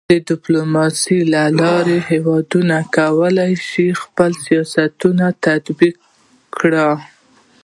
د ډيپلوماسۍ له لارې هېوادونه کولی سي خپل سیاستونه تطبیق کړي.